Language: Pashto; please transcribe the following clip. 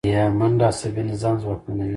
منډه عصبي نظام ځواکمنوي